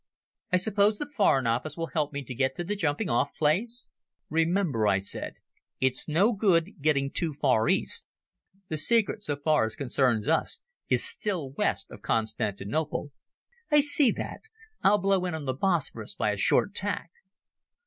I suppose the Foreign Office will help me to get to the jumping off place?" "Remember," I said, "it's no good getting too far east. The secret, so far as concerns us, is still west of Constantinople." "I see that. I'll blow in on the Bosporus by a short tack."